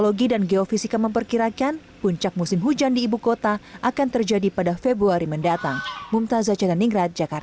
geologi dan geofisika memperkirakan puncak musim hujan di ibu kota akan terjadi pada februari mendatang